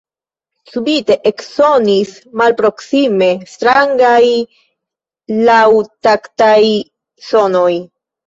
Subite eksonis malproksime strangaj laŭtaktaj sonoj.